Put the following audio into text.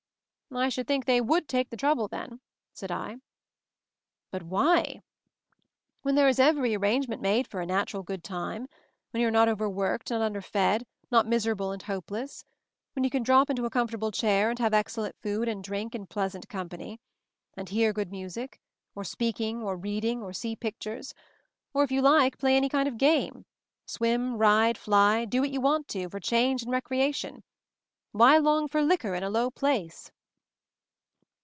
"I should think they would take the trouble, then," said I. "But why? When there is every arrange ment made for a natural good time; when you are not overworked, not underfed, not miserable and hopeless. When you can drop into a comfortable chair and have ex cellent food and drink in pleasant company; and hear good music, or speaking, or read ing, or see pictures ; or, if you like, play any kind of game; swim, ride, fly, do what you want to, for change and recreation why long for liquor in a low place?"